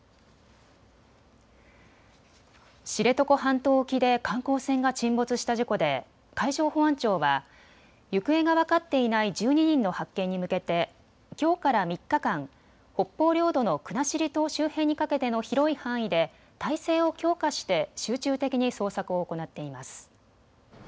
知床半島沖で観光船が沈没した事故で海上保安庁は行方が分かっていない１２人の発見に向けてきょうから３日間、北方領土の国後島周辺にかけての広い範囲で態勢を強化して集中的に捜索を行っています。